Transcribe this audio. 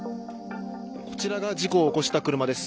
こちらが事故を起こした車です。